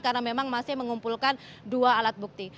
karena memang masih mengumpulkan dua alat bukti